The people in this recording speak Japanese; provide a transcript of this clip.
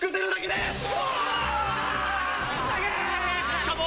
しかも。